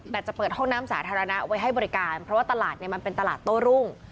แต่จะเปิดห้องน้ำสาธารณะไว้ให้บริการเพราะว่าตลาดเนี่ยมันเป็นตลาดโต้รุ่ง